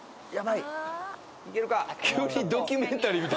いけるか？